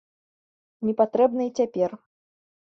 Не патрэбны і цяпер.